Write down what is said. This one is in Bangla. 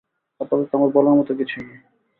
আপাতত আমার বলার মতো কিছুই নেই।